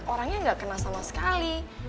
orangnya nggak kena sama sekali